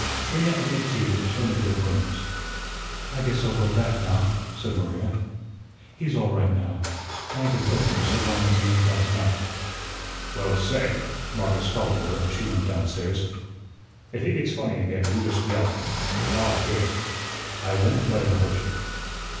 Trina and McTeague returned to their rooms. "I guess I'll go back now," said Maria. "He's all right now. I ain't afraid of him so long as he ain't got his knife." "Well, say," Marcus called to her as she went down stairs, "if he gets funny again, you just yell out; I'LL hear you. I won't let him hurt you."